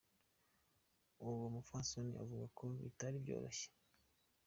Uwo mupfasoni avuga ko bitari vyoroshe.